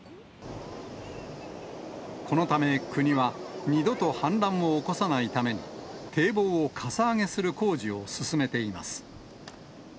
このため国は、二度と氾濫を起こさないために、堤防をかさ上げする工事を進めています。